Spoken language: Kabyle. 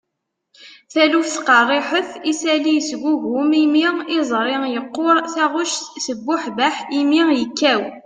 taluft qerriḥet, isalli yesgugum imi, iẓri yeqquṛ, taɣect tebbuḥbeḥ, imi yekkaw